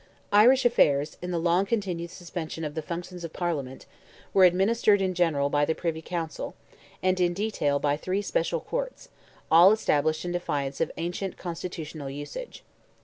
Irish affairs, in the long continued suspension of the functions of Parliament, were administered in general by the Privy Council, and in detail by three special courts, all established in defiance of ancient constitutional usage.